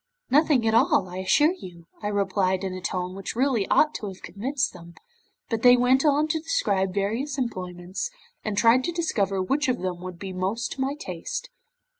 '"Nothing at all, I assure you," I replied in a tone which really ought to have convinced them, but they went on to describe various employments, and tried to discover which of them would be most to my taste.